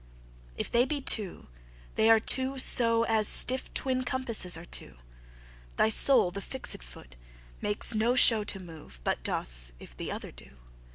If they be two, they are two so As stiffe twin compasses are two, Thy soule the fixt foot, makes no show To move, but doth, if th' other doe.